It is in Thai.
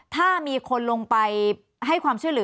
ถ้ามีคนลงไปให้ความช่วยเหลือ